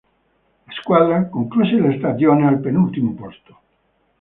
La squadra concluse la stagione al penultimo posto.